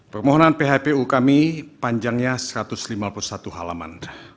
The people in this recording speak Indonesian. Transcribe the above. permohonan phpu kami panjangnya satu ratus lima puluh satu halaman